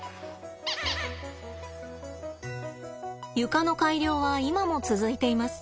床の改良は今も続いています。